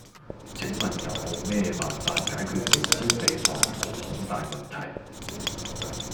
請問有無咩辦法解決鼻尖鼻旁毛孔大問題?